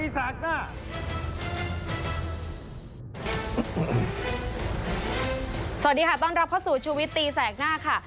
สวัสดีค่ะต้อนรับเข้าสู่ชูวิตตีแสกหน้าค่ะ